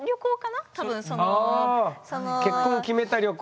結婚を決めた旅行。